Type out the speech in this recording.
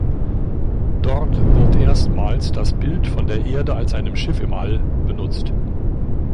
Dort wird erstmals das Bild von der „Erde als einem Schiff im All“ benutzt.